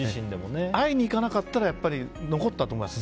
会いに行かなかったらやっぱり残ったと思います。